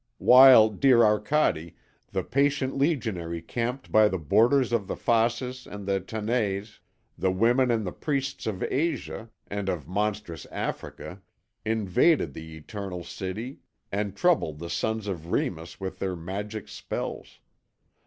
"While, dear Arcade, the patient legionary camped by the borders of the Phasis and the Tanais, the women and the priests of Asia and of monstrous Africa invaded the Eternal City and troubled the sons of Remus with their magic spells.